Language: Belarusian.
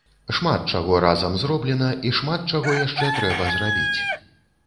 Шмат чаго разам зроблена і шмат чаго яшчэ трэба зрабіць.